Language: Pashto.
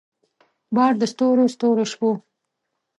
بار د ستورو ستورو شپو